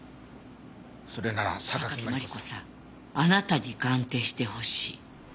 「それなら榊マリコさん」「榊マリコさんあなたに鑑定してほしい」